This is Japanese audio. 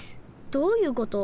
どういうこと？